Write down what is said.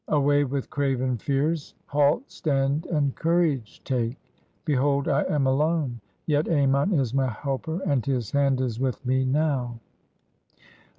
Away with craven fears. Halt, stand, and courage take, Behold I am alone. Yet Ammon is my helper, and his hand is with me now."